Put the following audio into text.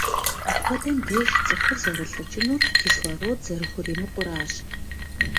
Апхуэдэм деж цӏыхур зэрылӏыкӏынур - кислород зэрыхуримыкъуращ.